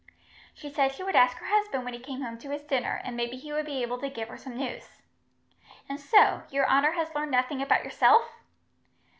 She said she would ask her husband when he came home to his dinner, and maybe he would be able to give her some news. "And so, your honour has learned nothing about yourself?"